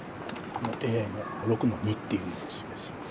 ＡＩの６の二っていうのを示します。